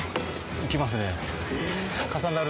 行きますね。